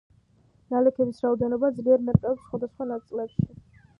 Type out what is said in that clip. ნალექების რაოდენობა ძლიერ მერყეობს სხვადასხვა წლებში.